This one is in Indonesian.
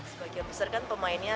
sebagian besar kan pemainnya